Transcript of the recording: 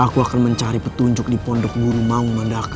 aku akan mencari petunjuk di pondok guru maung mandaka